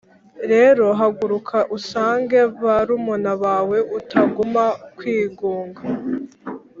rero haguruka usange barumuna bawe utaguma kwigunga